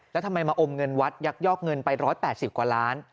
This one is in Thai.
แล้วทำไมมาอมเงินวัดยักยอกเงินไป๑๘๐กว่าล้าน